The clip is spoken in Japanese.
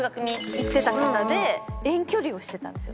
行ってた方で遠距離をしてたんですよ。